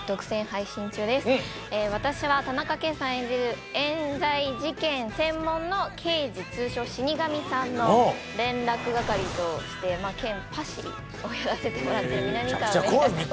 私は田中圭さん演じる冤罪事件専門の刑事通称死神さんの連絡係兼パシリをやらせてもらってる南川です。